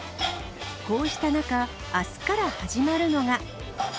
こうした中、あすから始まるのが。